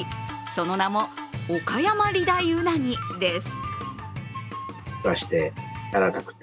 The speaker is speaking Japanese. その名も、おかやま理大うなぎです。